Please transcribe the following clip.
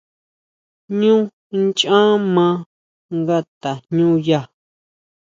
ʼÑú nchá maa nga tajñúya.